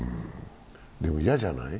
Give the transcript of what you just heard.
でも、嫌じゃない？